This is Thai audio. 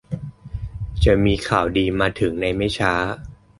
จะมีข่าวดีมาถึงในไม่ช้า